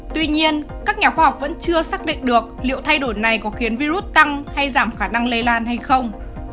tuy nhiên các nhà khoa học vẫn chưa xác định được liệu thay đổi này có khiến virus tăng hay giảm khả năng lây lan hay không